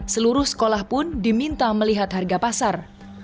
seluruh sekolah pun diminta melihat harga pasar